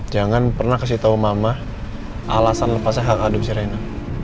jangan pernah kasih tau mama alasan lepasnya hak adopsi rena